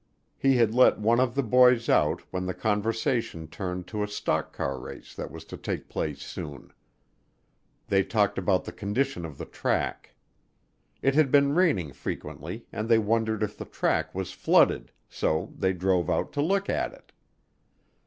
He had let one of the boys out when the conversation turned to a stock car race that was to take place soon. They talked about the condition of the track. It had been raining frequently, and they wondered if the track was flooded, so they drove out to look at it.